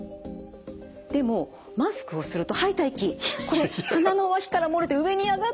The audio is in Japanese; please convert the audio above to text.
でもマスクをすると吐いた息これ鼻の脇から漏れて上に上がってますよね。